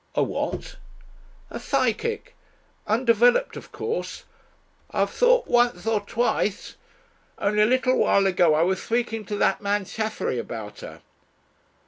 "A what?" "A psychic undeveloped, of course. I have thought once or twice. Only a little while ago I was speaking to that man Chaffery about her."